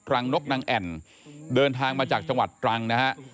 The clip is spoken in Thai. รังนกนางแอ่นเดินทางมาจากจังหวัดตรังนะฮะ